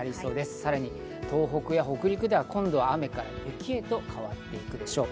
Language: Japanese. さらに東北や北陸では、今度は雨から雪へと変わっていくでしょう。